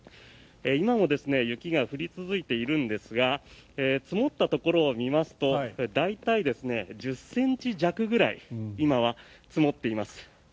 今も雪が降り続いているんですが積もったところを見ますと大体１０ｃｍ弱くらい今は積もっています。